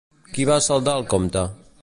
Qui va saldar el compte?